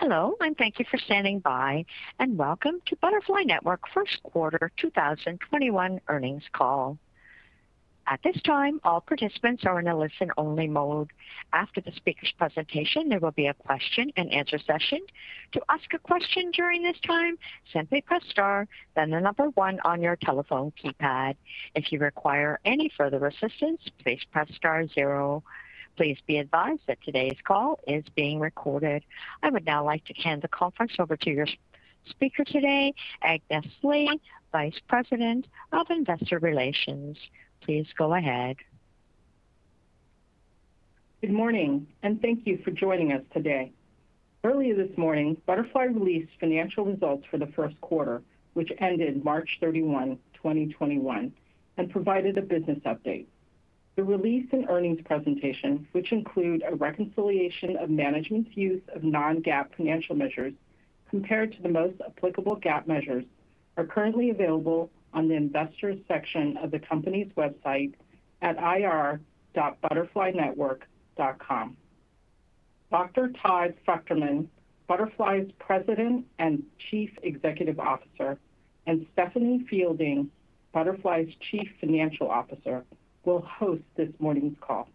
Hello, thank you for standing by, welcome to Butterfly Network first quarter 2021 earnings call. At this time, all participants are in a listen-only mode. After the speaker's presentation, there will be a question-and-answer session. To ask a question during this time, simply press star one on your telephone keypad. If you require any further assistance, please press star zero. Please be advised that today's call is being recorded. I would now like to hand the conference over to your speaker today, Agnes Lee, Vice President of Investor Relations. Please go ahead. Good morning, and thank you for joining us today. Earlier this morning, Butterfly released financial results for the first quarter which ended March 31, 2021, and provided a business update. The release and earnings presentation, which include a reconciliation of management's use of non-GAAP financial measures compared to the most applicable GAAP measures, are currently available on the Investors section of the company's website at ir.butterflynetwork.com. Dr. Todd Fruchterman, Butterfly's President and Chief Executive Officer, and Stephanie Fielding, Butterfly's Chief Financial Officer, will host this morning's call.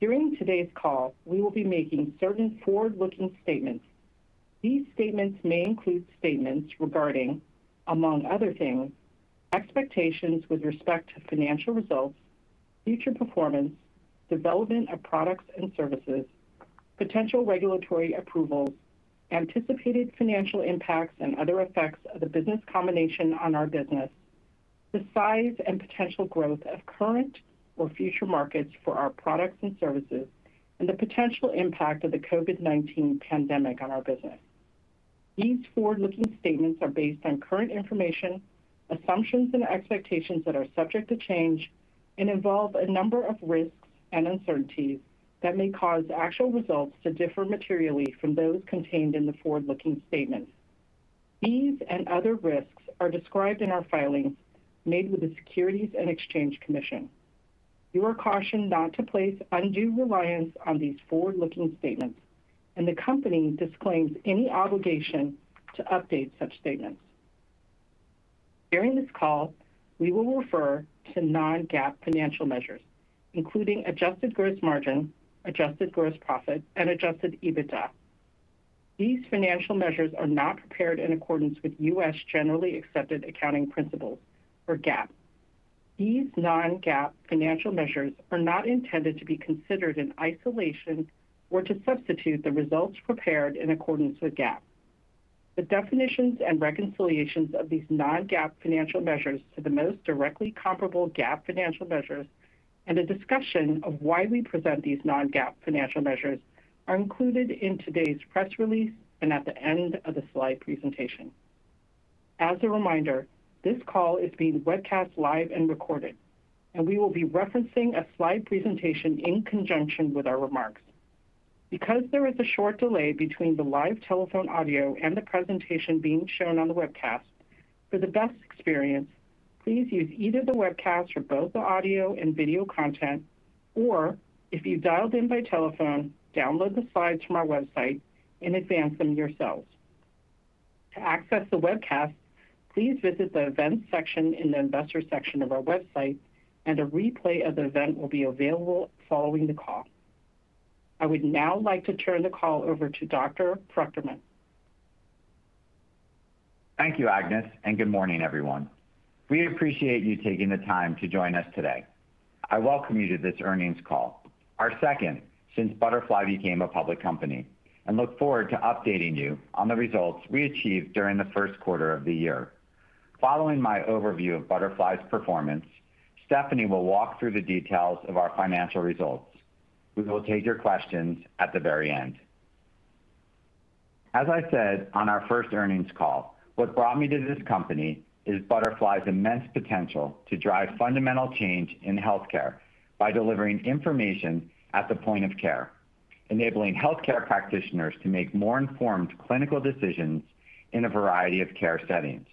During today's call, we will be making certain forward-looking statements. These statements may include statements regarding, among other things, expectations with respect to financial results, future performance, development of products and services, potential regulatory approvals, anticipated financial impacts and other effects of the business combination on our business, the size and potential growth of current or future markets for our products and services, and the potential impact of the COVID-19 pandemic on our business. These forward-looking statements are based on current information, assumptions and expectations that are subject to change and involve a number of risks and uncertainties that may cause actual results to differ materially from those contained in the forward-looking statements. These and other risks are described in our filings made with the Securities and Exchange Commission. You are cautioned not to place undue reliance on these forward-looking statements, and the company disclaims any obligation to update such statements. During this call, we will refer to non-GAAP financial measures, including adjusted gross margin, adjusted gross profit, and adjusted EBITDA. These financial measures are not prepared in accordance with U.S. generally accepted accounting principles or GAAP. These non-GAAP financial measures are not intended to be considered in isolation or to substitute the results prepared in accordance with GAAP. The definitions and reconciliations of these non-GAAP financial measures to the most directly comparable GAAP financial measures and a discussion of why we present these non-GAAP financial measures are included in today's press release and at the end of the slide presentation. As a reminder, this call is being webcast live and recorded, and we will be referencing a slide presentation in conjunction with our remarks. Because there is a short delay between the live telephone audio and the presentation being shown on the webcast, for the best experience, please use either the webcast for both the audio and video content or, if you've dialed in by telephone, download the slides from our website and advance them yourselves. To access the webcast, please visit the Events section in the Investor section of our website, and a replay of the event will be available following the call. I would now like to turn the call over to Dr. Fruchterman. Thank you, Agnes, and good morning, everyone. We appreciate you taking the time to join us today. I welcome you to this earnings call, our second since Butterfly became a public company, and look forward to updating you on the results we achieved during the first quarter of the year. Following my overview of Butterfly's performance, Stephanie will walk through the details of our financial results. We will take your questions at the very end. As I said on our first earnings call, what brought me to this company is Butterfly's immense potential to drive fundamental change in healthcare by delivering information at the point-of-care, enabling healthcare practitioners to make more informed clinical decisions in a variety of care settings.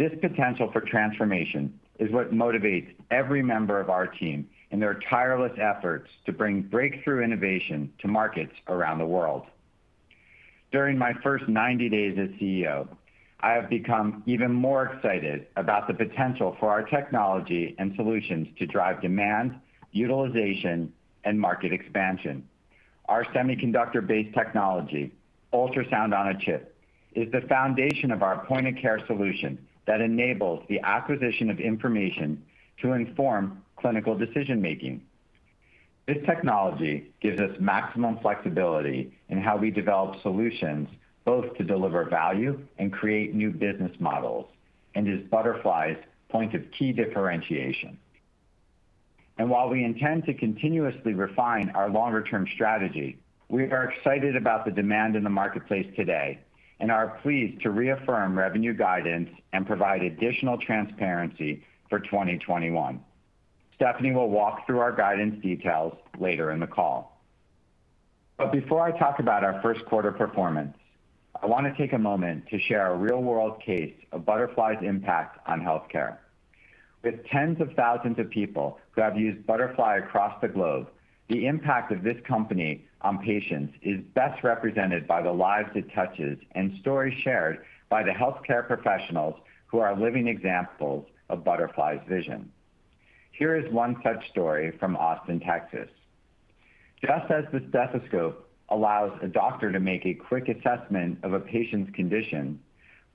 This potential for transformation is what motivates every member of our team in their tireless efforts to bring breakthrough innovation to markets around the world. During my first 90 days as CEO, I have become even more excited about the potential for our technology and solutions to drive demand, utilization, and market expansion. Our semiconductor-based technology, Ultrasound-on-Chip, is the foundation of our point-of-care solution that enables the acquisition of information to inform clinical decision-making. This technology gives us maximum flexibility in how we develop solutions both to deliver value and create new business models and is Butterfly's point of key differentiation. While we intend to continuously refine our longer-term strategy, we are excited about the demand in the marketplace today and are pleased to reaffirm revenue guidance and provide additional transparency for 2021. Stephanie will walk through our guidance details later in the call. Before I talk about our first quarter performance, I wanna take a moment to share a real-world case of Butterfly's impact on healthcare. With tens of thousands of people who have used Butterfly across the globe, the impact of this company on patients is best represented by the lives it touches and stories shared by the healthcare professionals who are living examples of Butterfly's vision. Here is one such story from Austin, Texas. Just as the stethoscope allows a doctor to make a quick assessment of a patient's condition,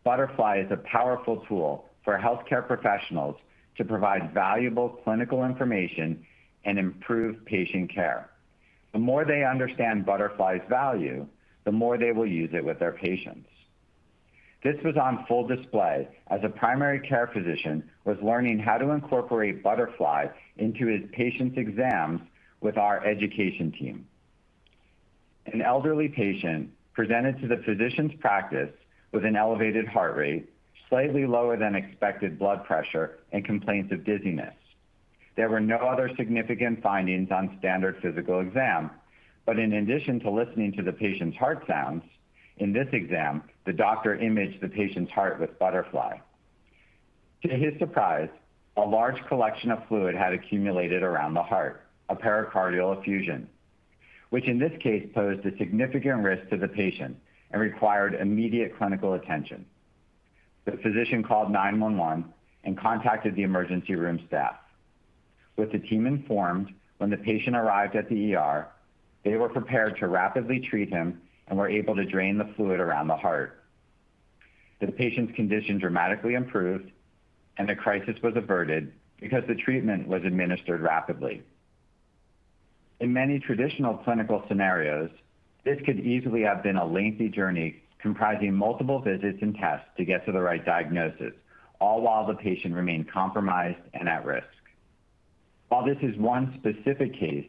Butterfly is a powerful tool for healthcare professionals to provide valuable clinical information and improve patient care. The more they understand Butterfly's value, the more they will use it with their patients. This was on full display as a primary care physician was learning how to incorporate Butterfly into his patients' exams with our education team. An elderly patient presented to the physician's practice with an elevated heart rate, slightly lower than expected blood pressure, and complaints of dizziness. There were no other significant findings on standard physical exam, but in addition to listening to the patient's heart sounds, in this exam, the doctor imaged the patient's heart with Butterfly. To his surprise, a large collection of fluid had accumulated around the heart, a pericardial effusion, which in this case posed a significant risk to the patient and required immediate clinical attention. The physician called 911 and contacted the emergency room staff. With the team informed when the patient arrived at the ER, they were prepared to rapidly treat him and were able to drain the fluid around the heart. The patient's condition dramatically improved, and the crisis was averted because the treatment was administered rapidly. In many traditional clinical scenarios, this could easily have been a lengthy journey comprising multiple visits and tests to get to the right diagnosis, all while the patient remained compromised and at risk. While this is one specific case,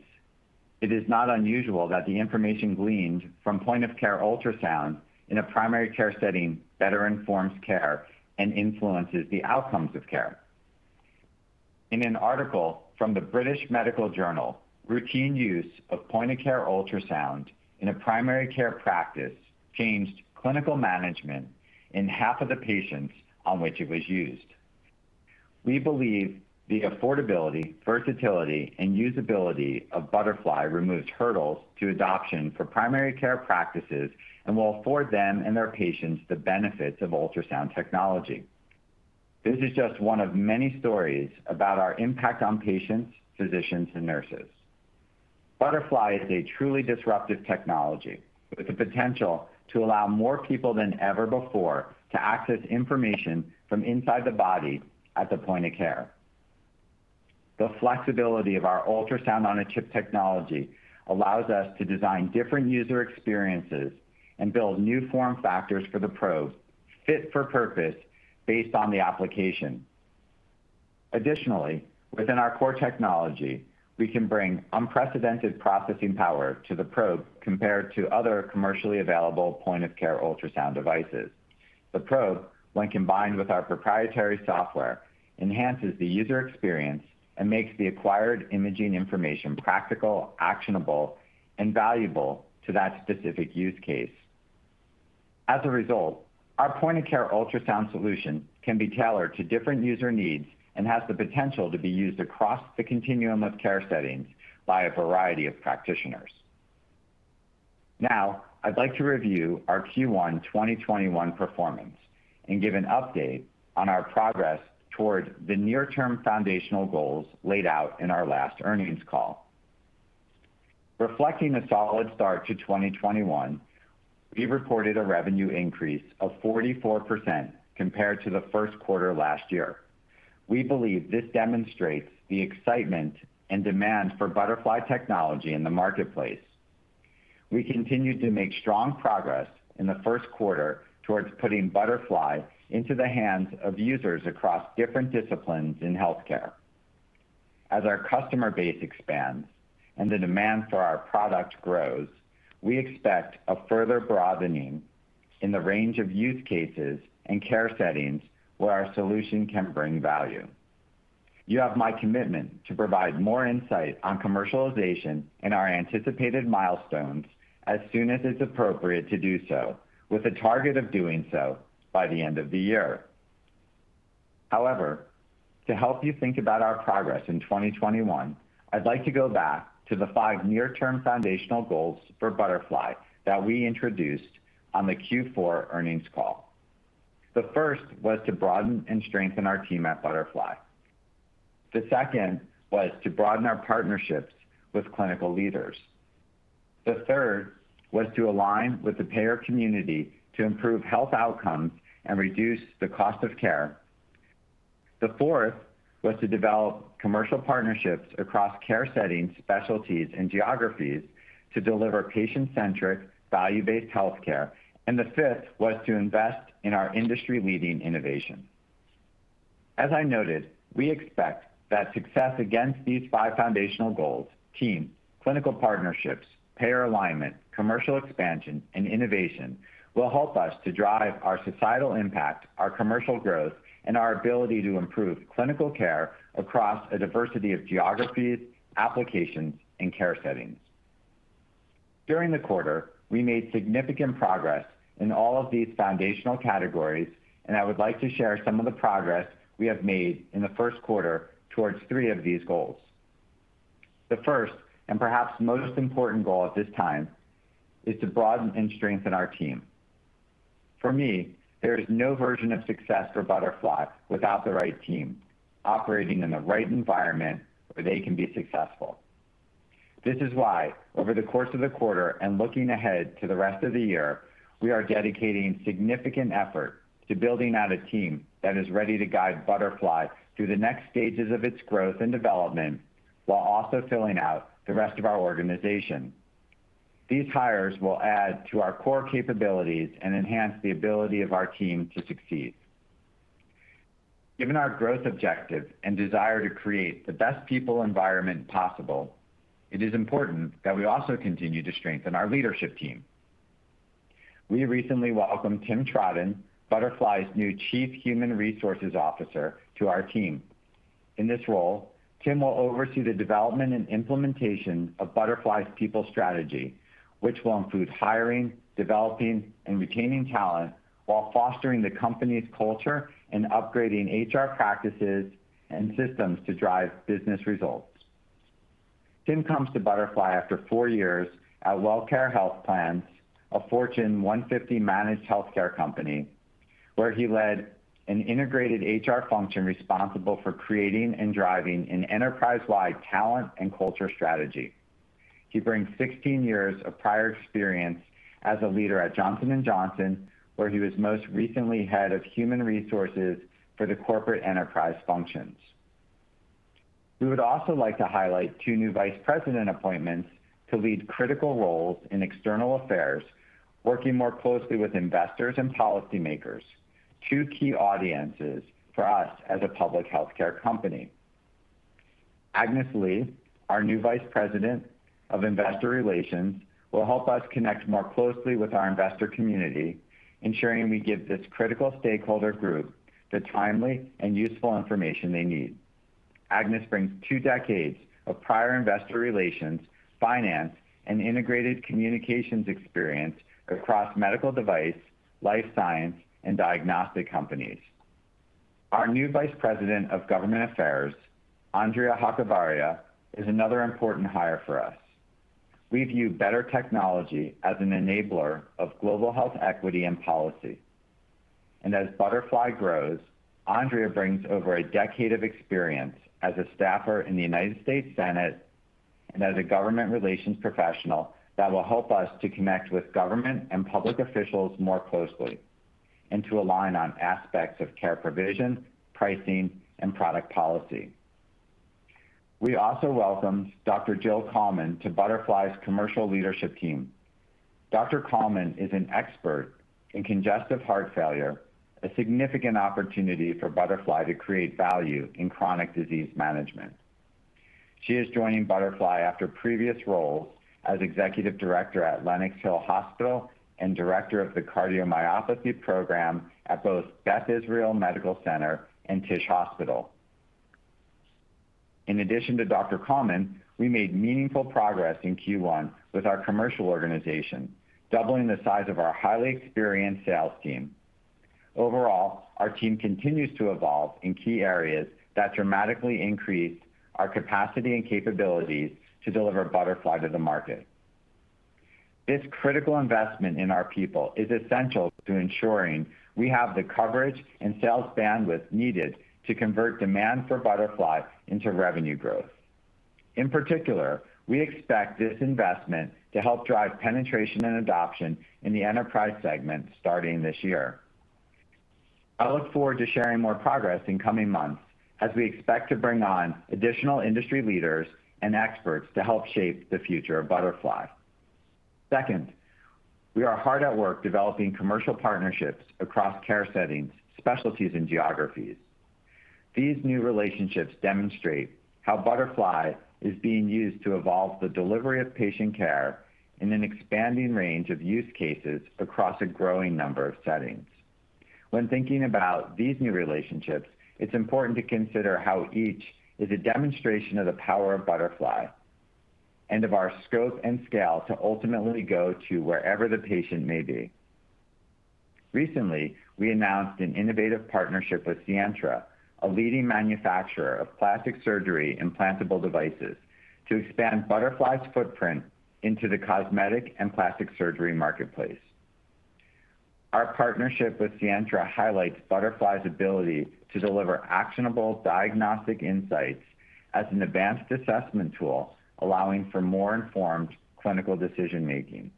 it is not unusual that the information gleaned from point-of-care ultrasound in a primary care setting better informs care and influences the outcomes of care. In an article from The British Medical Journal, routine use of point-of-care ultrasound in a primary care practice changed clinical management in half of the patients on which it was used. We believe the affordability, versatility, and usability of Butterfly removes hurdles to adoption for primary care practices and will afford them and their patients the benefits of ultrasound technology. This is just one of many stories about our impact on patients, physicians, and nurses. Butterfly is a truly disruptive technology with the potential to allow more people than ever before to access information from inside the body at the point-of-care. The flexibility of our Ultrasound-on-Chip technology allows us to design different user experiences and build new form factors for the probes fit for purpose based on the application. Additionally, within our core technology, we can bring unprecedented processing power to the probe compared to other commercially available point-of-care ultrasound devices. The probe, when combined with our proprietary software, enhances the user experience and makes the acquired imaging information practical, actionable, and valuable to that specific use case. As a result, our point-of-care ultrasound solution can be tailored to different user needs and has the potential to be used across the continuum of care settings by a variety of practitioners. I'd like to review our Q1 2021 performance and give an update on our progress toward the near-term foundational goals laid out in our last earnings call. Reflecting a solid start to 2021, we reported a revenue increase of 44% compared to the first quarter last year. We believe this demonstrates the excitement and demand for Butterfly technology in the marketplace. We continued to make strong progress in the first quarter towards putting Butterfly into the hands of users across different disciplines in healthcare. Our customer base expands and the demand for our product grows, we expect a further broadening in the range of use cases and care settings where our solution can bring value. You have my commitment to provide more insight on commercialization and our anticipated milestones as soon as it's appropriate to do so, with a target of doing so by the end of the year. To help you think about our progress in 2021, I'd like to go back to the five near-term foundational goals for Butterfly that we introduced on the Q4 earnings call. The first was to broaden and strengthen our team at Butterfly. The second was to broaden our partnerships with clinical leaders. The third was to align with the payer community to improve health outcomes and reduce the cost of care. The fourth was to develop commercial partnerships across care settings, specialties, and geographies to deliver patient-centric, value-based healthcare. The fifth was to invest in our industry-leading innovation. As I noted, we expect that success against these five foundational goals, team, clinical partnerships, payer alignment, commercial expansion, and innovation, will help us to drive our societal impact, our commercial growth, and our ability to improve clinical care across a diversity of geographies, applications, and care settings. During the quarter, we made significant progress in all of these foundational categories, and I would like to share some of the progress we have made in the first quarter towards three of these goals. The first, and perhaps most important goal at this time, is to broaden and strengthen our team. For me, there is no version of success for Butterfly without the right team operating in the right environment where they can be successful. This is why over the course of the quarter and looking ahead to the rest of the year, we are dedicating significant effort to building out a team that is ready to guide Butterfly through the next stages of its growth and development while also filling out the rest of our organization. These hires will add to our core capabilities and enhance the ability of our team to succeed. Given our growth objective and desire to create the best people environment possible, it is important that we also continue to strengthen our leadership team. We recently welcomed Timothy Trodden, Butterfly's new Chief Human Resources Officer, to our team. In this role, Tim will oversee the development and implementation of Butterfly's people strategy, which will include hiring, developing, and retaining talent while fostering the company's culture and upgrading HR practices and systems to drive business results. Tim comes to Butterfly after four years at WellCare Health Plans, a Fortune 150 managed healthcare company, where he led an integrated HR function responsible for creating and driving an enterprise-wide talent and culture strategy. He brings 16 years of prior experience as a leader at Johnson & Johnson, where he was most recently Head of Human Resources for the corporate enterprise functions. We would also like to highlight two new Vice President appointments to lead critical roles in external affairs, working more closely with investors and policymakers, two key audiences for us as a public healthcare company. Agnes Lee, our new Vice President of Investor Relations, will help us connect more closely with our investor community, ensuring we give this critical stakeholder group the timely and useful information they need. Agnes brings two decades of prior investor relations, finance, and integrated communications experience across medical device, life science, and diagnostic companies. Our new Vice President of Government Affairs, Andrea Hechavarria, is another important hire for us. We view better technology as an enabler of global health equity and policy. As Butterfly grows, Andrea brings over one decade of experience as a staffer in the United States Senate and as a government relations professional that will help us to connect with government and public officials more closely and to align on aspects of care provision, pricing, and product policy. We also welcomed Dr. Jill Kalman to Butterfly's commercial leadership team. Dr. Kalman is an expert in congestive heart failure, a significant opportunity for Butterfly to create value in chronic disease management. She is joining Butterfly after previous roles as Executive Director at Lenox Hill Hospital and Director of the Cardiomyopathy Program at both Beth Israel Medical Center and Tisch Hospital. In addition to Dr. Kalman, we made meaningful progress in Q1 with our commercial organization, doubling the size of our highly experienced sales team. Overall, our team continues to evolve in key areas that dramatically increase our capacity and capabilities to deliver Butterfly to the market. This critical investment in our people is essential to ensuring we have the coverage and sales bandwidth needed to convert demand for Butterfly into revenue growth. In particular, we expect this investment to help drive penetration and adoption in the enterprise segment starting this year. I look forward to sharing more progress in coming months as we expect to bring on additional industry leaders and experts to help shape the future of Butterfly. Second, we are hard at work developing commercial partnerships across care settings, specialties, and geographies. These new relationships demonstrate how Butterfly is being used to evolve the delivery of patient care in an expanding range of use cases across a growing number of settings. When thinking about these new relationships, it's important to consider how each is a demonstration of the power of Butterfly and of our scope and scale to ultimately go to wherever the patient may be. Recently, we announced an innovative partnership with Sientra, a leading manufacturer of plastic surgery implantable devices, to expand Butterfly's footprint into the cosmetic and plastic surgery marketplace. Our partnership with Sientra highlights Butterfly's ability to deliver actionable diagnostic insights as an advanced assessment tool, allowing for more informed clinical decision-making.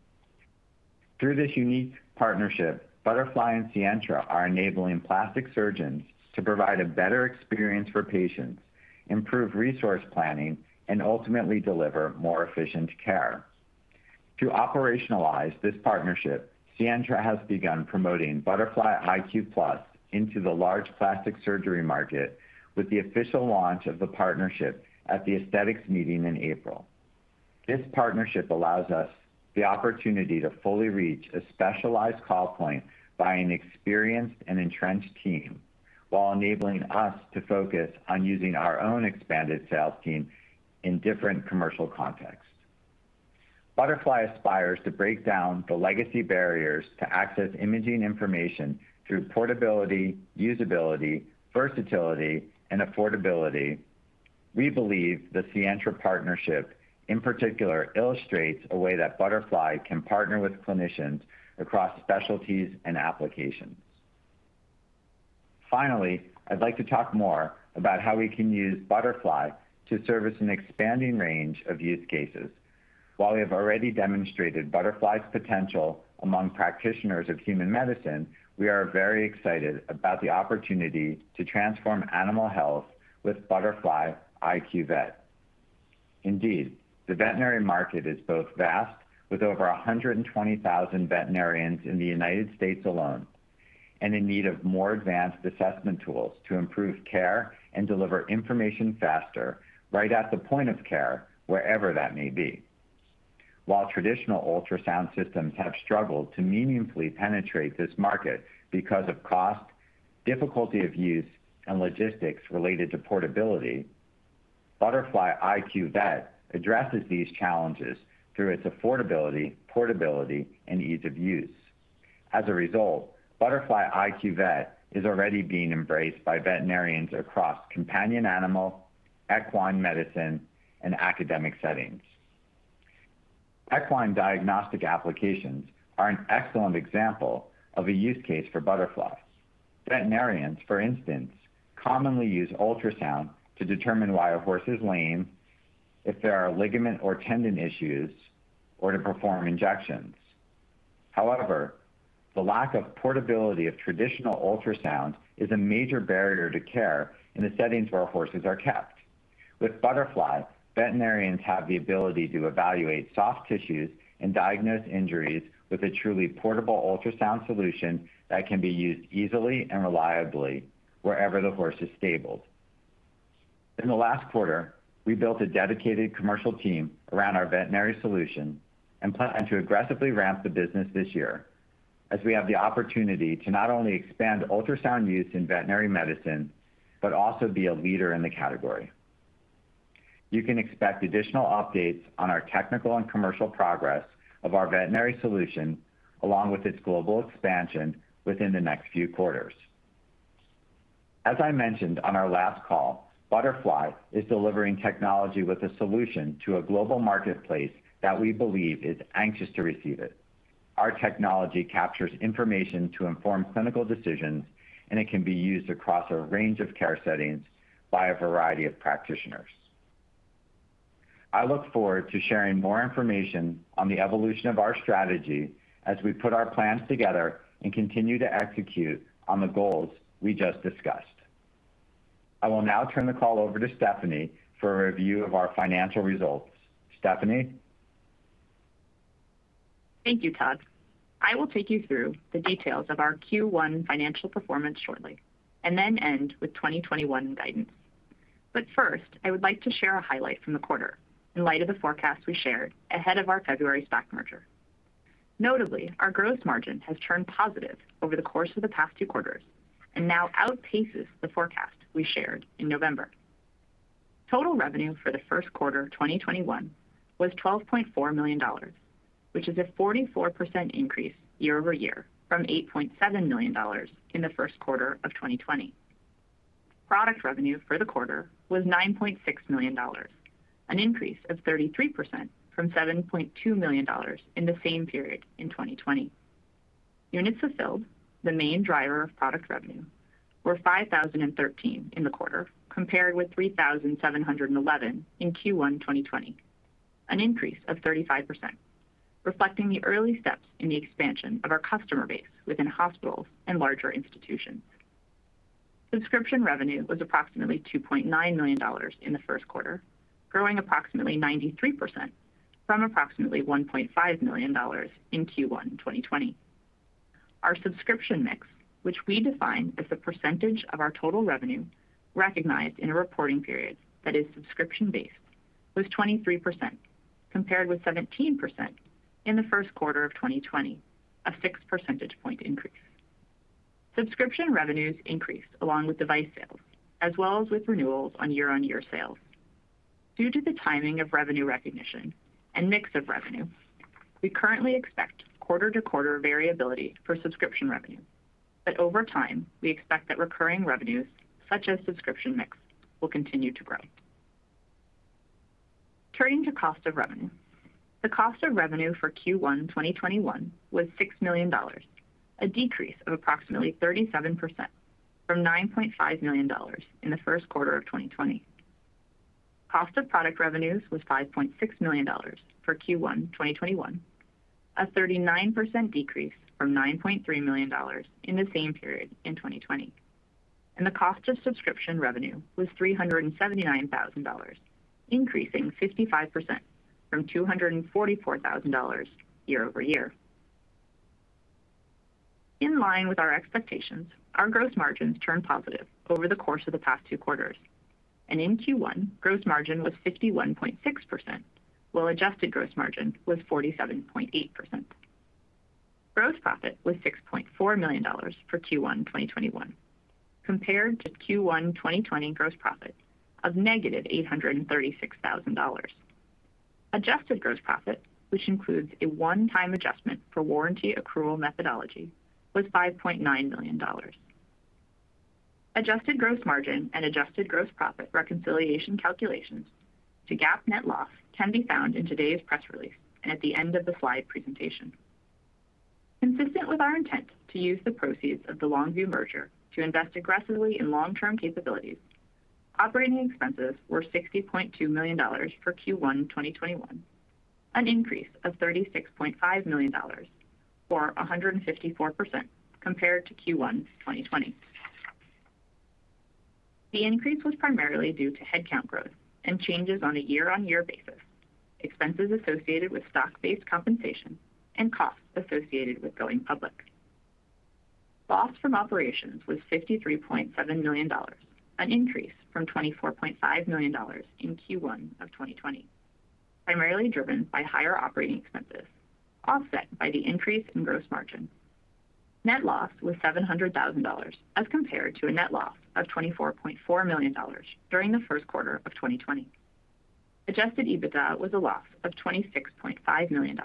Through this unique partnership, Butterfly and Sientra are enabling plastic surgeons to provide a better experience for patients, improve resource planning, and ultimately deliver more efficient care. To operationalize this partnership, Sientra has begun promoting Butterfly iQ+ into the large plastic surgery market with the official launch of the partnership at the Aesthetics meeting in April. This partnership allows us the opportunity to fully reach a specialized call point by an experienced and entrenched team. Enabling us to focus on using our own expanded sales team in different commercial contexts. Butterfly aspires to break down the legacy barriers to access imaging information through portability, usability, versatility, and affordability. We believe the Sientra partnership, in particular, illustrates a way that Butterfly can partner with clinicians across specialties and applications. I'd like to talk more about how we can use Butterfly to service an expanding range of use cases. While we have already demonstrated Butterfly's potential among practitioners of human medicine, we are very excited about the opportunity to transform animal health with Butterfly iQ Vet. Indeed, the veterinary market is both vast, with over 120,000 veterinarians in the United States alone, and in need of more advanced assessment tools to improve care and deliver information faster right at the point-of-care, wherever that may be. While traditional ultrasound systems have struggled to meaningfully penetrate this market because of cost, difficulty of use, and logistics related to portability, Butterfly iQ Vet addresses these challenges through its affordability, portability, and ease of use. As a result, Butterfly iQ Vet is already being embraced by veterinarians across companion animal, equine medicine, and academic settings. Equine diagnostic applications are an excellent example of a use case for Butterfly. Veterinarians, for instance, commonly use ultrasound to determine why a horse is lame, if there are ligament or tendon issues, or to perform injections. However, the lack of portability of traditional ultrasound is a major barrier to care in the settings where horses are kept. With Butterfly, veterinarians have the ability to evaluate soft tissues and diagnose injuries with a truly portable ultrasound solution that can be used easily and reliably wherever the horse is stabled. In the last quarter, we built a dedicated commercial team around our veterinary solution and plan to aggressively ramp the business this year as we have the opportunity to not only expand ultrasound use in veterinary medicine, but also be a leader in the category. You can expect additional updates on our technical and commercial progress of our veterinary solution, along with its global expansion within the next few quarters. As I mentioned on our last call, Butterfly is delivering technology with a solution to a global marketplace that we believe is anxious to receive it. Our technology captures information to inform clinical decisions, and it can be used across a range of care settings by a variety of practitioners. I look forward to sharing more information on the evolution of our strategy as we put our plans together and continue to execute on the goals we just discussed. I will now turn the call over to Stephanie for a review of our financial results. Stephanie? Thank you, Todd. I will take you through the details of our Q1 financial performance shortly, and then end with 2021 guidance. First, I would like to share a highlight from the quarter in light of the forecast we shared ahead of our February stock merger. Notably, our gross margin has turned positive over the course of the past two quarters and now outpaces the forecast we shared in November. Total revenue for the first quarter of 2021 was $12.4 million, which is a 44% increase year-over-year from $8.7 million in the first quarter of 2020. Product revenue for the quarter was $9.6 million, an increase of 33% from $7.2 million in the same period in 2020. Units fulfilled, the main driver of product revenue, were 5,013 in the quarter, compared with 3,711 in Q1 2020, an increase of 35%, reflecting the early steps in the expansion of our customer base within hospitals and larger institutions. Subscription revenue was approximately $2.9 million in the first quarter, growing approximately 93% from approximately $1.5 million in Q1 2020. Our subscription mix, which we define as the percentage of our total revenue recognized in a reporting period that is subscription-based, was 23%, compared with 17% in the first quarter of 2020, a 6 percentage point increase. Subscription revenues increased along with device sales, as well as with renewals on year-on-year sales. Due to the timing of revenue recognition and mix of revenue, we currently expect quarter-to-quarter variability for subscription revenue. Over time, we expect that recurring revenues, such as subscription mix, will continue to grow. Turning to cost of revenue. The cost of revenue for Q1 2021 was $6 million, a decrease of approximately 37% from $9.5 million in the first quarter of 2020. Cost of product revenues was $5.6 million for Q1 2021, a 39% decrease from $9.3 million in the same period in 2020. The cost of subscription revenue was $379,000, increasing 55% from $244,000 year-over-year. In line with our expectations, our gross margins turned positive over the course of the past two quarters. In Q1, gross margin was 51.6%, while adjusted gross margin was 47.8%. Gross profit was $6.4 million for Q1 2021, compared to Q1 2020 gross profit of negative $836,000. Adjusted gross profit, which includes a one-time adjustment for warranty accrual methodology, was $5.9 million. Adjusted gross margin and adjusted gross profit reconciliation calculations to GAAP net loss can be found in today's press release and at the end of the slide presentation. Consistent with our intent to use the proceeds of the Longview merger to invest aggressively in long-term capabilities, operating expenses were $60.2 million for Q1 2021, an increase of $36.5 million, or 154%, compared to Q1 2020. The increase was primarily due to headcount growth and changes on a year-over-year basis, expenses associated with stock-based compensation, and costs associated with going public. Loss from operations was $53.7 million, an increase from $24.5 million in Q1 of 2020, primarily driven by higher operating expenses, offset by the increase in gross margin. Net loss was $700,000 as compared to a net loss of $24.4 million during the first quarter of 2020. Adjusted EBITDA was a loss of $26.5 million,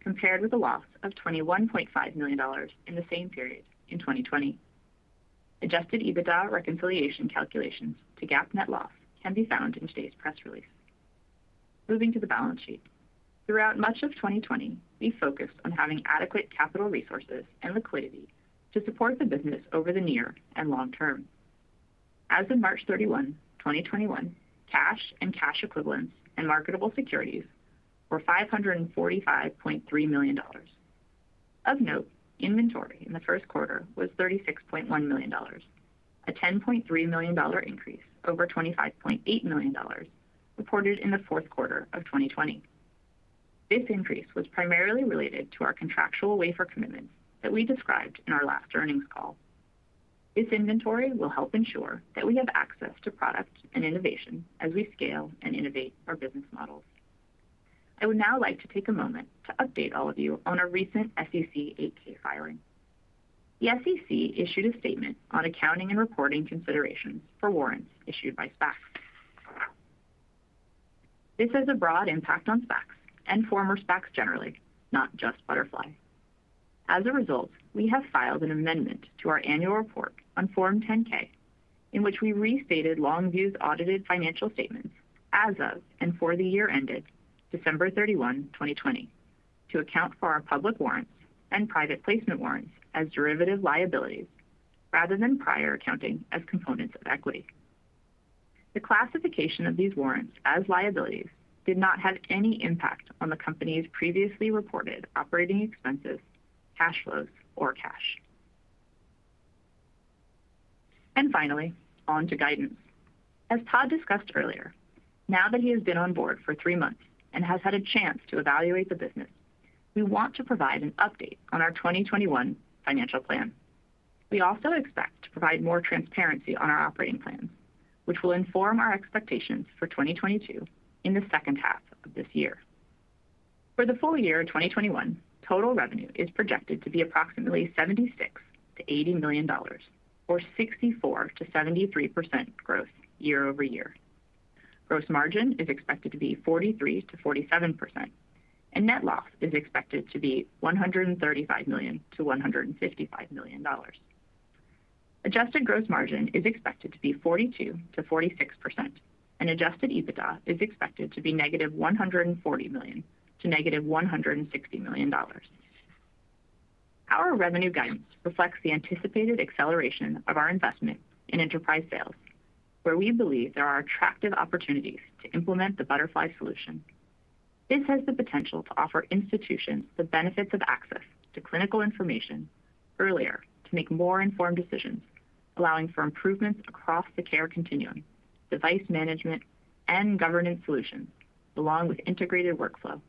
compared with a loss of $21.5 million in the same period in 2020. Adjusted EBITDA reconciliation calculations to GAAP net loss can be found in today's press release. Moving to the balance sheet. Throughout much of 2020, we focused on having adequate capital resources and liquidity to support the business over the near and long term. As of March 31, 2021, cash and cash equivalents and marketable securities were $545.3 million. Of note, inventory in the first quarter was $36.1 million, a $10.3 million increase over $25.8 million reported in the fourth quarter of 2020. This increase was primarily related to our contractual wafer commitments that we described in our last earnings call. This inventory will help ensure that we have access to product and innovation as we scale and innovate our business models. I would now like to take a moment to update all of you on our recent SEC 8-K filing. The SEC issued a statement on accounting and reporting considerations for warrants issued by SPACs. This has a broad impact on SPACs and former SPACs generally, not just Butterfly. As a result, we have filed an amendment to our annual report on Form 10-K, in which we restated Longview's audited financial statements as of and for the year ended December 31, 2020, to account for our public warrants and private placement warrants as derivative liabilities rather than prior accounting as components of equity. The classification of these warrants as liabilities did not have any impact on the company's previously reported operating expenses, cash flows, or cash. Finally, on to guidance. As Todd discussed earlier, now that he has been on board for three months and has had a chance to evaluate the business, we want to provide an update on our 2021 financial plan. We also expect to provide more transparency on our operating plans, which will inform our expectations for 2022 in the second half of this year. For the full year of 2021, total revenue is projected to be approximately $76 million-$80 million, or 64%-73% growth year-over-year. Gross margin is expected to be 43%-47%, and net loss is expected to be $135 million-$155 million. Adjusted gross margin is expected to be 42%-46%, and adjusted EBITDA is expected to be negative $140 million to negative $160 million. Our revenue guidance reflects the anticipated acceleration of our investment in enterprise sales, where we believe there are attractive opportunities to implement the Butterfly solution. This has the potential to offer institutions the benefits of access to clinical information earlier to make more informed decisions, allowing for improvements across the care continuum, device management, and governance solutions, along with integrated workflow.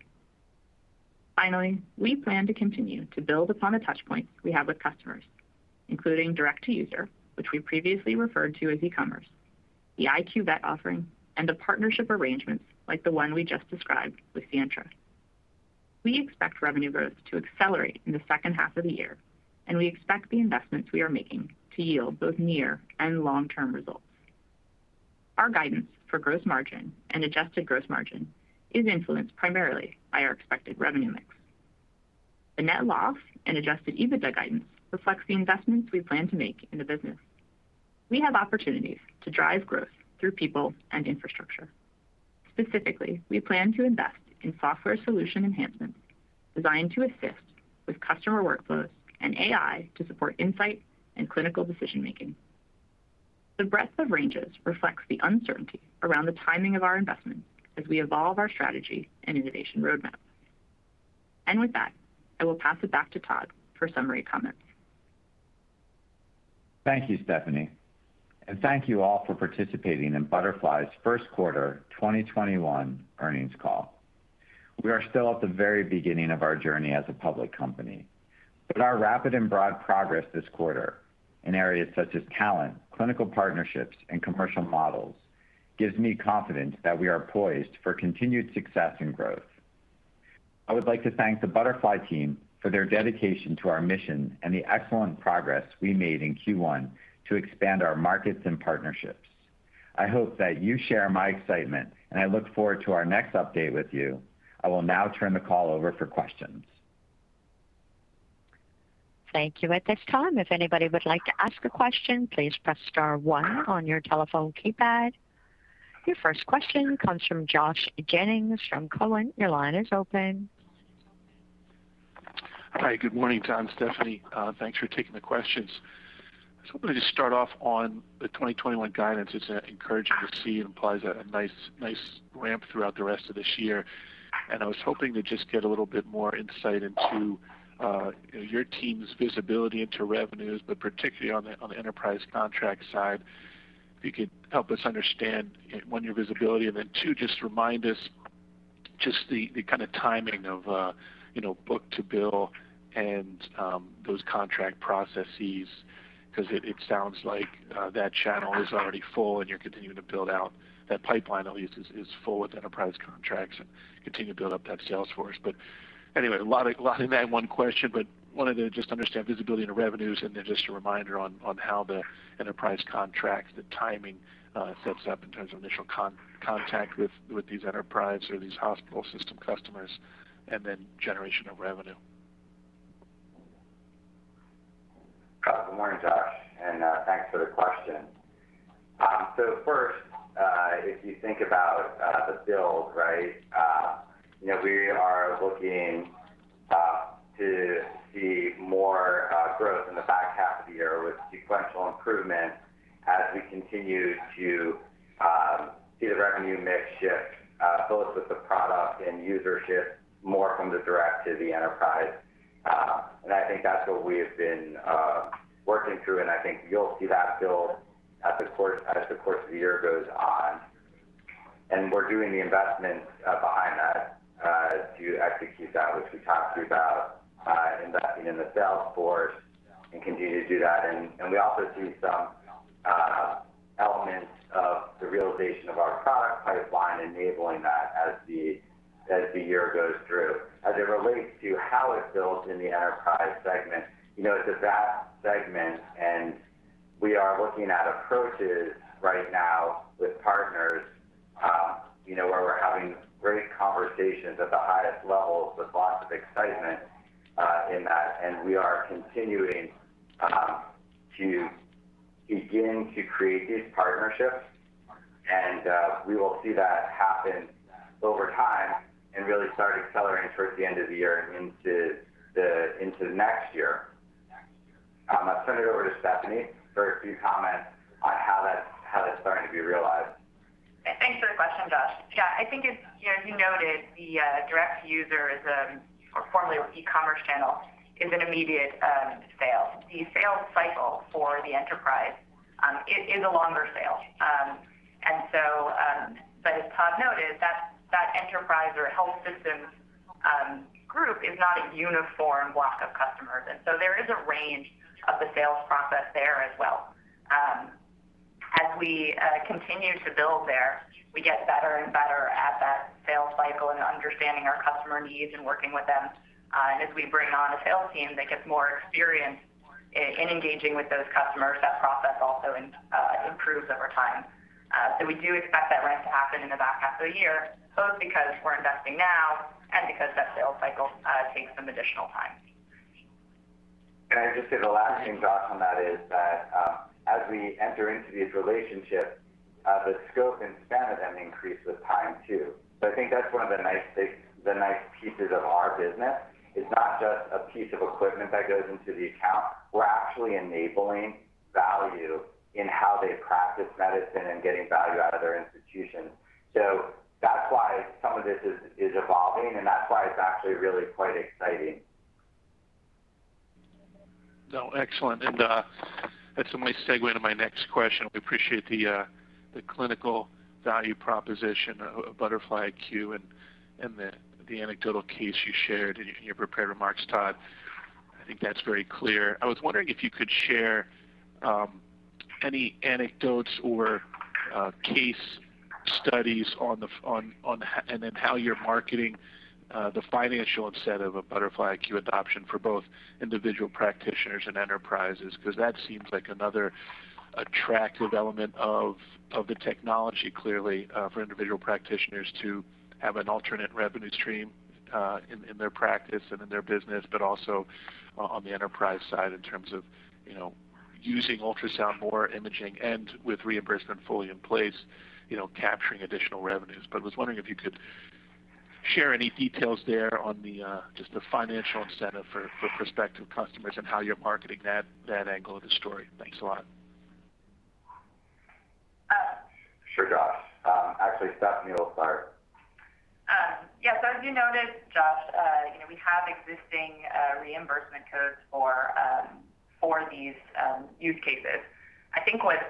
Finally, we plan to continue to build upon the touchpoints we have with customers, including direct-to-user, which we previously referred to as e-commerce, the iQ Vet offering, and the partnership arrangements like the one we just described with Sientra. We expect revenue growth to accelerate in the second half of the year, and we expect the investments we are making to yield both near and long-term results. Our guidance for gross margin and adjusted gross margin is influenced primarily by our expected revenue mix. The net loss and adjusted EBITDA guidance reflects the investments we plan to make in the business. We have opportunities to drive growth through people and infrastructure. Specifically, we plan to invest in software solution enhancements designed to assist with customer workflows and AI to support insight and clinical decision-making. The breadth of ranges reflects the uncertainty around the timing of our investments as we evolve our strategy and innovation roadmap. With that, I will pass it back to Todd for summary comments. Thank you, Stephanie, and thank you all for participating in Butterfly Network's first quarter 2021 earnings call. We are still at the very beginning of our journey as a public company, but our rapid and broad progress this quarter in areas such as talent, clinical partnerships, and commercial models gives me confidence that we are poised for continued success and growth. I would like to thank the Butterfly team for their dedication to our mission and the excellent progress we made in Q1 to expand our markets and partnerships. I hope that you share my excitement, and I look forward to our next update with you. I will now turn the call over for questions. Thank you. At this time, if anybody would like to ask a question, please press star one on your telephone keypad. Your first question comes from Josh Jennings from Cowen. Your line is open. Hi. Good morning, Todd Fruchterman, Stephanie Fielding. Thanks for taking the questions. I was hoping to start off on the 2021 guidance. It's encouraging to see it implies a nice ramp throughout the rest of this year. I was hoping to just get a little bit more insight into, you know, your team's visibility into revenues, but particularly on the enterprise contract side, if you could help us understand, 1, your visibility, and then 2, just remind us just the kind of timing of, you know, book-to-bill and those contract processes. 'Cause it sounds like that channel is already full, and you're continuing to build out that pipeline at least is full with enterprise contracts and continue to build up that sales force. Anyway, a lot in that one question, but wanted to just understand visibility into revenues and then just a reminder on how the enterprise contracts, the timing sets up in terms of initial contact with these enterprise or these hospital system customers and then generation of revenue. Good morning, Josh, thanks for the question. First, if you think about the build, right, you know, we are looking to see more growth in the back half of the year with sequential improvement as we continue to see the revenue mix shift, both with the product and user shift more from the direct to the enterprise. I think that's what we have been working through, and I think you'll see that build as the course of the year goes on. We're doing the investment behind that to execute that, which we talked to you about investing in the sales force and continue to do that. We also see some elements of the realization of our product pipeline enabling that as the year goes through. As it relates to how it builds in the enterprise segment, you know, it's a vast segment. We are looking at approaches right now with partners, you know, where we're having great conversations at the highest levels with lots of excitement in that. We are continuing to begin to create these partnerships. We will see that happen over time and really start accelerating towards the end of the year and into next year. I'll turn it over to Stephanie for a few comments on how that's starting to be realized. Thanks for the question, Josh. I think as you noted, the direct user is or formerly e-commerce channel is an immediate sale. The sales cycle for the enterprise, it is a longer sale. As Todd noted, that enterprise or health system group is not a uniform block of customers, and so there is a range of the sales process there as well. As we continue to build there, we get better and better at that sales cycle and understanding our customer needs and working with them. As we bring on a sales team that gets more experience in engaging with those customers, that process also improves over time. We do expect that ramp to happen in the back half of the year, both because we're investing now and because that sales cycle takes some additional time. I just say the last thing, Josh, on that is that as we enter into these relationships, the scope and span of them increase with time, too. I think that's one of the nice pieces of our business. It's not just a piece of equipment that goes into the account. We're actually enabling value in how they practice medicine and getting value out of their institution. That's why some of this is evolving, and that's why it's actually really quite exciting. No, excellent. That's a nice segue into my next question. We appreciate the clinical value proposition of Butterfly iQ and the anecdotal case you shared in your prepared remarks, Todd. I think that's very clear. I was wondering if you could share any anecdotes or case studies on h-- and then how you're marketing the financial incentive of a Butterfly iQ adoption for both individual practitioners and enterprises. 'Cause that seems like another attractive element of the technology, clearly, for individual practitioners to have an alternate revenue stream, in their practice and in their business, but also on the enterprise side in terms of, you know, using ultrasound more imaging and with reimbursement fully in place, you know, capturing additional revenues. I was wondering if you could share any details there on the just the financial incentive for prospective customers and how you're marketing that angle of the story. Thanks a lot. Sure, Josh. Actually, Stephanie will start. Yeah. As you noted, Josh, you know, we have existing reimbursement codes for these use cases. I think what's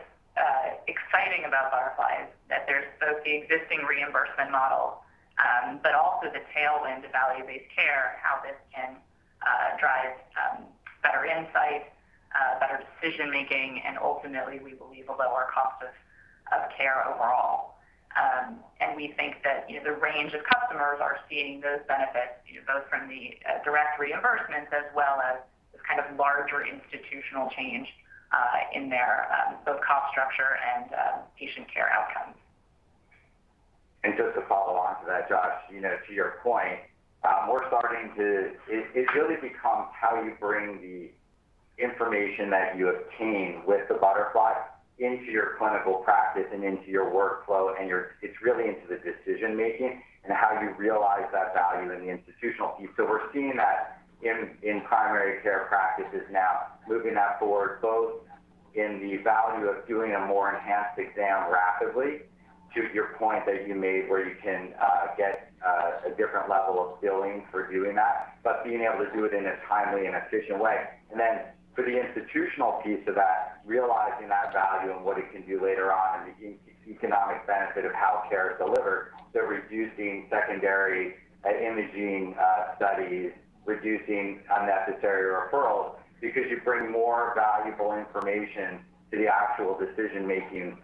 exciting about Butterfly is that there's both the existing reimbursement model, but also the tailwind of value-based care and how this can drive insights, better decision-making, and ultimately, we believe a lower cost of care overall. We think that, you know, the range of customers are seeing those benefits, you know, both from the direct reimbursements as well as this kind of larger institutional change in their both cost structure and patient care outcomes. Just to follow on to that, Josh, you know, to your point, it really becomes how you bring the information that you obtain with the Butterfly into your clinical practice and into your workflow. It's really into the decision-making and how you realize that value in the institutional piece. We're seeing that in primary care practices now, moving that forward both in the value of doing a more enhanced exam rapidly, to your point that you made, where you can get a different level of billing for doing that, but being able to do it in a timely and efficient way. For the institutional piece of that, realizing that value and what it can do later on in the economic benefit of how care is delivered, so reducing secondary imaging studies, reducing unnecessary referrals because you bring more valuable information to the actual decision-making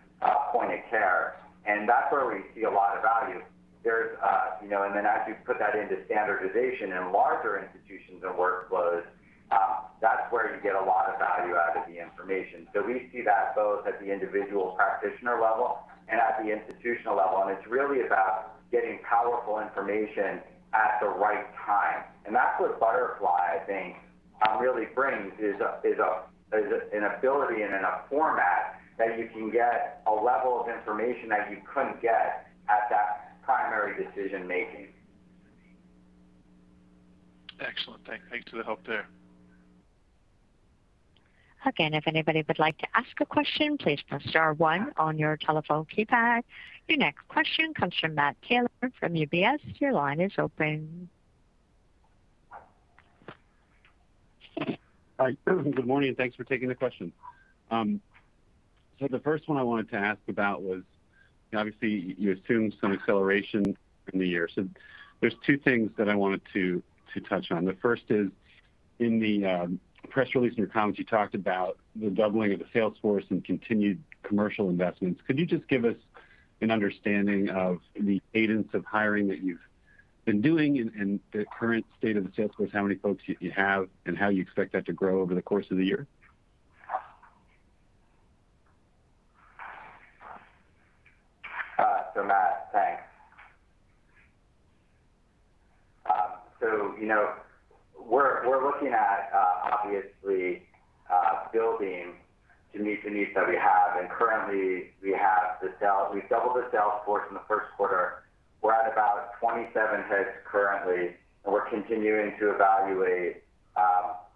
point of care. That's where we see a lot of value. There's, you know, as you put that into standardization in larger institutions and workflows, that's where you get a lot of value out of the information. We see that both at the individual practitioner level and at the institutional level, and it's really about getting powerful information at the right time. That's what Butterfly, I think, really brings, is a an ability and in a format that you can get a level of information that you couldn't get at that primary decision-making. Excellent. Thanks for the help there. Again, if anybody would like to ask a question, please press star one on your telephone keypad. Your next question comes from Matt Taylor from UBS. Your line is open. Hi. Good morning, and thanks for taking the question. The first one I wanted to ask about was, obviously, you assumed some acceleration in the year. There's two things that I wanted to touch on. The first is, in the press release and your comments, you talked about the doubling of the sales force and continued commercial investments. Could you just give us an understanding of the cadence of hiring that you've been doing and the current state of the sales force, how many folks you have, and how you expect that to grow over the course of the year? Matt, thanks. You know, we're looking at, obviously, building to meet the needs that we have. Currently we've doubled the sales force in the first quarter. We're at about 27 heads currently, and we're continuing to evaluate,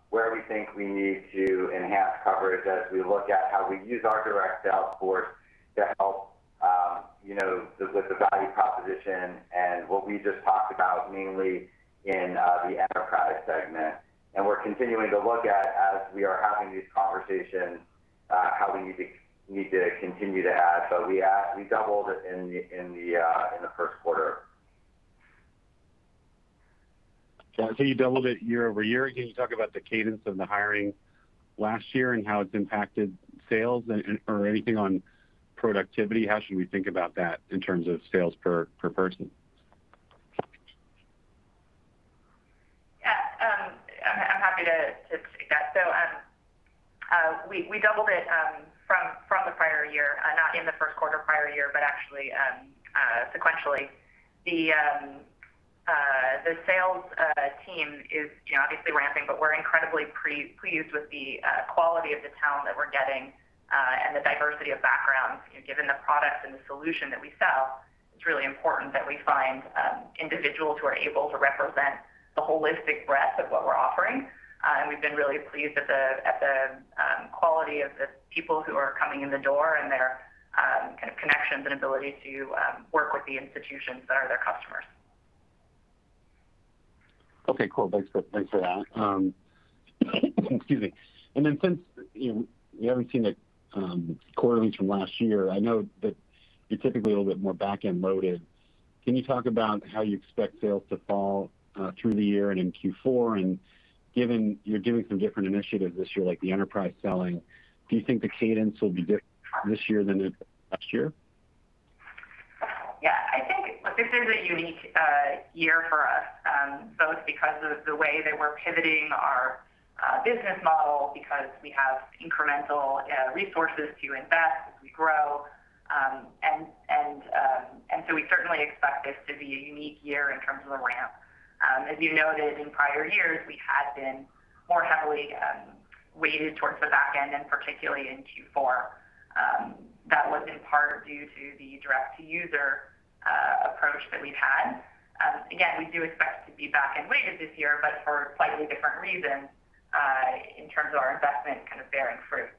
where we think we need to enhance coverage as we look at how we use our direct sales force to help, you know, with the value proposition and what we just talked about, mainly in the enterprise segment. We're continuing to look at, as we are having these conversations, how we need to continue to add. We doubled it in the first quarter. You doubled it year-over-year. Can you talk about the cadence of the hiring last year and how it's impacted sales or anything on productivity? How should we think about that in terms of sales per person? Yeah. I'm happy to take that. We doubled it from the prior year, not in the first quarter prior year, but actually sequentially. The sales team is, you know, obviously ramping, but we're incredibly pleased with the quality of the talent that we're getting and the diversity of backgrounds. You know, given the product and the solution that we sell, it's really important that we find individuals who are able to represent the holistic breadth of what we're offering. And we've been really pleased at the quality of the people who are coming in the door and their kind of connections and ability to work with the institutions that are their customers. Okay. Cool. Thanks for that. Excuse me. Since, you know, we haven't seen the quarter links from last year, I know that you're typically a little bit more back-end loaded. Can you talk about how you expect sales to fall through the year and in Q4? Given you're doing some different initiatives this year, like the enterprise selling, do you think the cadence will be different this year than it was last year? Yeah. I think this is a unique year for us, both because of the way that we're pivoting our business model, because we have incremental resources to invest as we grow. We certainly expect this to be a unique year in terms of the ramp. As you noted in prior years, we had been more heavily weighted towards the back end and particularly in Q4. That was in part due to the direct-to-user approach that we've had. Again, we do expect to be back end weighted this year, but for slightly different reasons, in terms of our investment kind of bearing fruit.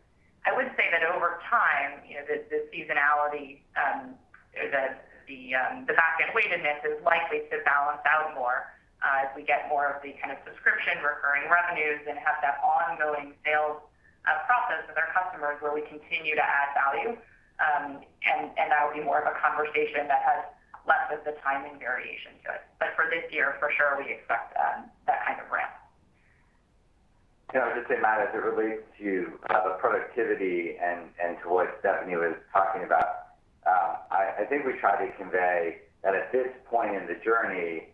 I would say that over time, you know, the seasonality, or the back-end weightedness is likely to balance out more, as we get more of the kind of subscription recurring revenues and have that ongoing sales-process with our customers where we continue to add value. That would be more of a conversation that has less of the timing variation to it. For this year, for sure, we expect that kind of ramp. You know, I'd just say, Matt, as it relates to the productivity and to what Stephanie was talking about, I think we try to convey that at this point in the journey,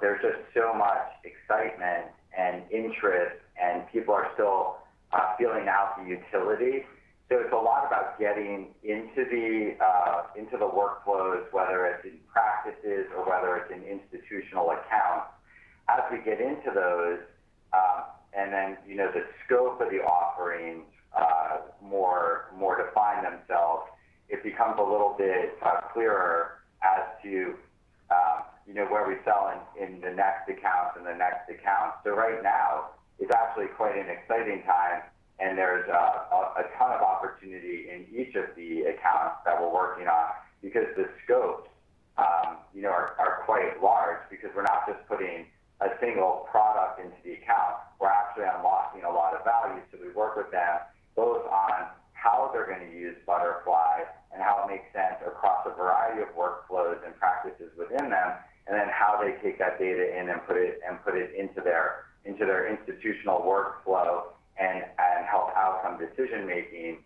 there's just so much excitement and interest, and people are still feeling out the utility. It's a lot about getting into the workflows, whether it's in practices or whether it's in institutional accounts. As we get into those, you know, the scope of the offerings more define themselves, it becomes a little bit clearer as to, you know, where we sell in the next account and the next account. Right now it's actually quite an exciting time, and there's a ton of opportunity in each of the accounts that we're working on because the scopes, you know, are quite large because we're not just putting a single product into the account. We're actually unlocking a lot of value. We work with them both on how they're gonna use Butterfly and how it makes sense across a variety of workflows and practices within them, and then how they take that data in and put it into their institutional workflow and help outcome decision-making.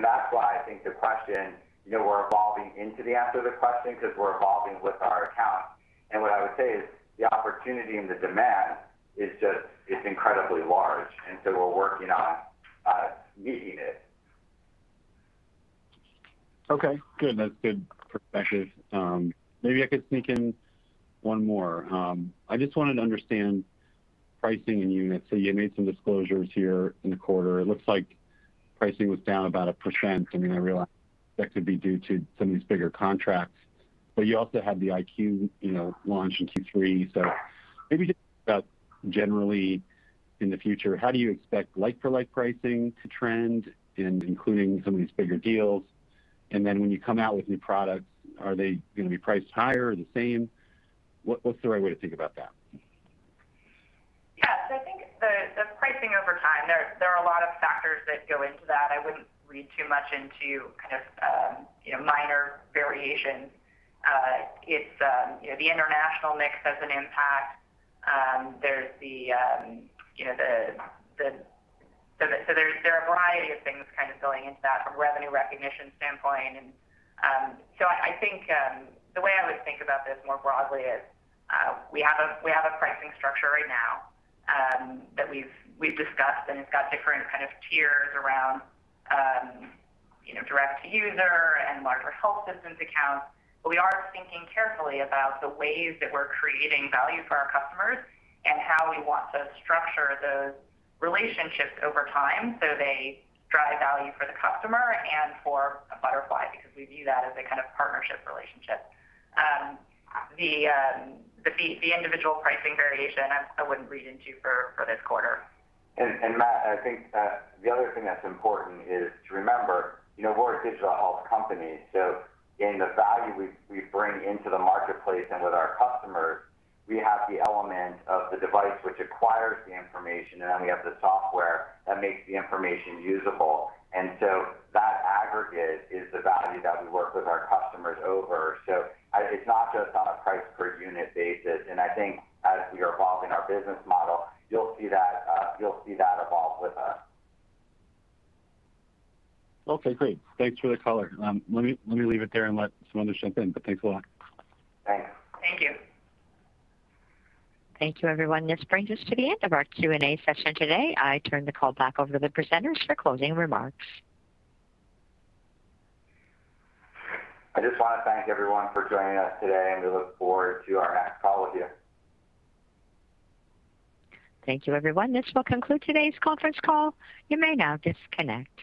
That's why I think the question, you know, we're evolving into the answer to the question because we're evolving with our accounts. What I would say is the opportunity and the demand is it's incredibly large, and so we're working on, meeting it. Okay, good. That's good perspective. Maybe I could sneak in 1 more. I just wanted to understand pricing and units. You made some disclosures here in the quarter. It looks like pricing was down about 1%. I mean, I realize that could be due to some of these bigger contracts, but you also have the iQ+, you know, launch in Q3. Maybe just about generally in the future, how do you expect like-for-like pricing to trend in including some of these bigger deals? Then when you come out with new products, are they gonna be priced higher or the same? What, what's the right way to think about that? Yeah. I think the pricing over time, there are a lot of factors that go into that. I wouldn't read too much into kind of, you know, minor variations. It's, You know, the international mix has an impact. There's, you know, there are a variety of things kind of going into that from a revenue recognition standpoint. I think the way I would think about this more broadly is, we have a pricing structure right now that we've discussed, and it's got different kind of tiers around, you know, direct to user and larger health systems accounts. We are thinking carefully about the ways that we're creating value for our customers and how we want to structure those relationships over time so they drive value for the customer and for Butterfly, because we view that as a kind of partnership relationship. The individual pricing variation, I wouldn't read into for this quarter. Matt, I think the other thing that's important is to remember, you know, we're a digital health company, in the value we bring into the marketplace and with our customers, we have the element of the device which acquires the information, and then we have the software that makes the information usable. That aggregate is the value that we work with our customers over. It's not just on a price per unit basis. I think as we are evolving our business model, you'll see that, you'll see that evolve with us. Okay, great. Thanks for the color. Let me leave it there and let someone else jump in, but thanks a lot. Thanks. Thank you. Thank you, everyone. This brings us to the end of our Q&A session today. I turn the call back over to the presenters for closing remarks. I just wanna thank everyone for joining us today. We look forward to our next call with you. Thank you, everyone. This will conclude today's conference call. You may now disconnect.